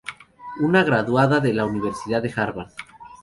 Una graduada de la Universidad de Harvard.